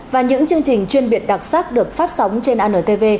và những chương trình chuyên biệt đặc sắc được phát sóng trên antv